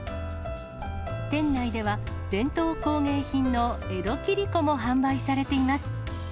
店内では、伝統工芸品の江戸切子も販売されています。